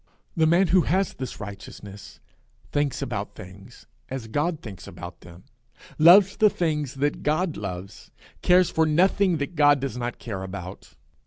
The man who has this righteousness, thinks about things as God thinks about them, loves the things that God loves, cares for nothing that God does not care about.